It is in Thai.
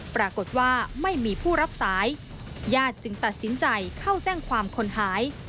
ปรากฏว่าไม่มีผู้รับสายญาติจึงตัดสินใจเข้าแจ้งความคนหาย